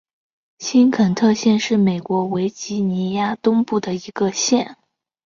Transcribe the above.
新肯特县是美国维吉尼亚州东部的一个县。